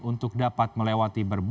untuk dapat melakukan penyelamatan